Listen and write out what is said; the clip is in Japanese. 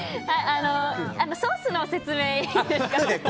ソースの説明、いいですか？